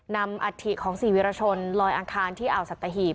นำอาทิตย์ของ๔วีรชนลอยอังคารที่อ่าวสัตว์ตะหีบ